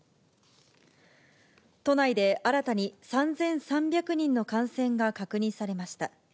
都内で新たに３３００人の感染が確認されました。